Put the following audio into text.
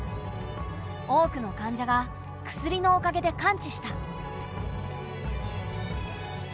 多くの患者が薬のおかげで完治した。